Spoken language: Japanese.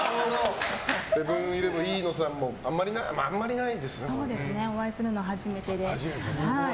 セブン‐イレブンの飯野さんもお会いするのは初めてで。